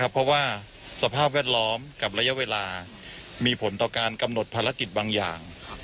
เพราะว่าสภาพแวดล้อมกับระยะเวลามีผลต่อการกำหนดภารกิจบางอย่าง